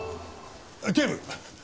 警部！